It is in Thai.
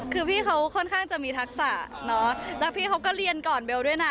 คือพี่เขาค่อนข้างจะมีทักษะเนาะแล้วพี่เขาก็เรียนก่อนเบลด้วยนะ